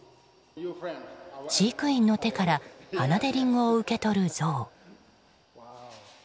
飼育員の手から鼻でリンゴを受け取るゾウ。